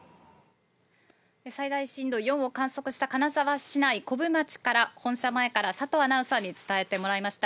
最大震度４を観測した金沢市内古府町から、本社前から、佐藤アナウンサーに伝えてもらいました。